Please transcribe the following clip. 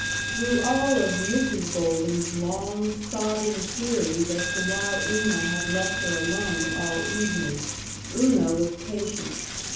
Through all of Mrs. Golden's long, sobbing queries as to why Una had left her alone all evening Una was patient.